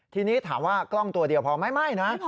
ทีนี้ถามว่ากล้องตัวเดียวพอไม่นะ